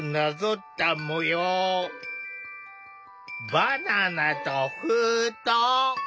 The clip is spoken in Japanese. バナナと封筒？